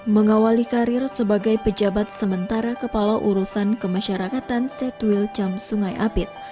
mengawali karir sebagai pejabat sementara kepala urusan kemasyarakatan setuil cam sungai apit